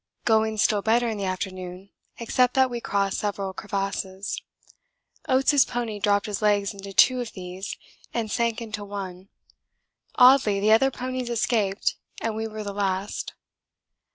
Going still better in the afternoon, except that we crossed several crevasses. Oates' pony dropped his legs into two of these and sank into one oddly the other ponies escaped and we were the last.